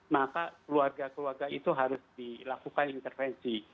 maka keluarga keluarga itu harus dilakukan intervensi